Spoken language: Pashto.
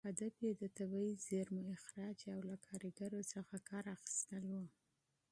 هدف یې د طبیعي زېرمو استخراج او له کارګرو څخه کار اخیستل و.